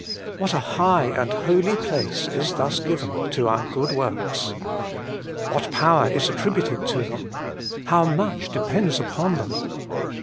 What a high and holy place is thus given to our good works. What power is attrib uted to them. How much depends upon them.